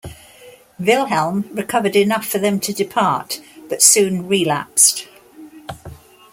Wilhelm recovered enough for them to depart, but soon relapsed.